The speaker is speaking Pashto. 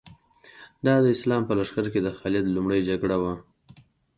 دا د اسلام په لښکر کې د خالد لومړۍ جګړه وه.